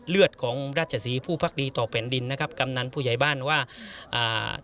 เลือดของราชศรีผู้พักดีต่อแผ่นดินนะครับกำนันผู้ใหญ่บ้านว่าอ่า